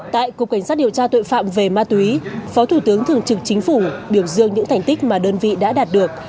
tại cục cảnh sát điều tra tội phạm về ma túy phó thủ tướng thường trực chính phủ biểu dương những thành tích mà đơn vị đã đạt được